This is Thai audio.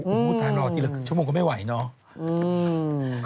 อู๋ทางรอทีละชั่วโมงก็ไม่ไหวเนอะ